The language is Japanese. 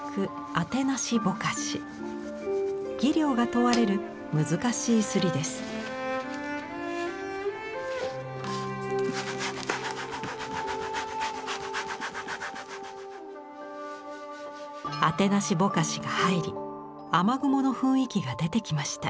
あてなしぼかしが入り雨雲の雰囲気が出てきました。